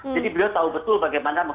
jadi beliau tahu betul bagaimana